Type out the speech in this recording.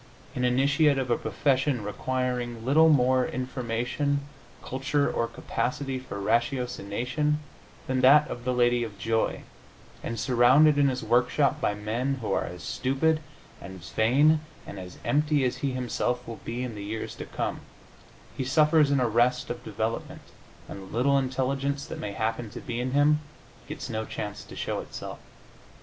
An initiate of a profession requiring little more information, culture or capacity for ratiocination than that of the lady of joy, and surrounded in his work shop by men who are as stupid, as vain and as empty as he himself will be in the years to come, he suffers an arrest of development, and the little intelligence that may happen to be in him gets no chance to show itself.